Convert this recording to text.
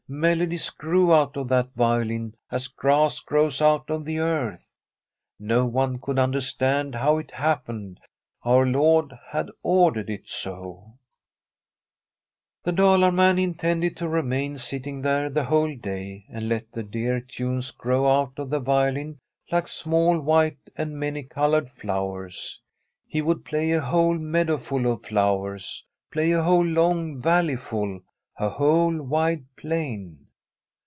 Melodies grew out of that violin as grass grows out of the earth. No one could understand how it happened. Our Lord had ordered it so. [38I Tbi STORY rf a COUNTRY HOUSE The Dalar man intended to remain sitting there the whole day, and let the dear tunes grow out of the violin like small white and many coloured flowers. He would play a whole meadowful of flowers, play a whole long valley ful, a whole wide plain.